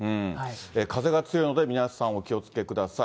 風が強いので皆さんお気をつけください。